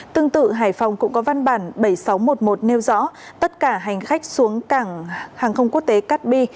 tương tự hải phòng cũng có văn bản bảy nghìn sáu trăm một mươi một nêu rõ tất cả hành khách xuống cảng hàng không quốc tế cát bi